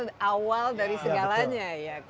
ide itulah awal dari segalanya